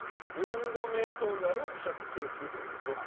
４度目となる保釈請求ということでしょう。